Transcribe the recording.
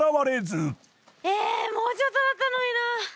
もうちょっとだったのにな。